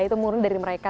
itu murni dari mereka